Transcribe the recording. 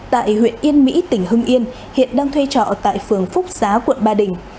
tại huyện yên mỹ tỉnh hưng yên hiện đang thuê trọ tại phường phúc giá quận ba đình